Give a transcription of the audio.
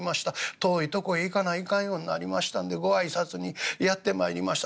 遠いとこへ行かないかんようになりましたんでご挨拶にやって参りました。